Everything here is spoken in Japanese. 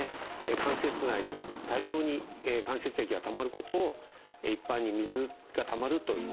関節内に多量に関節液がたまることを一般に「水がたまる」といいます。